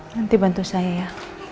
nanti bantu saya ya